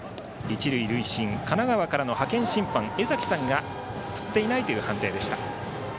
一塁塁審、神奈川からの派遣審判江崎さんが振っていないという判定でした。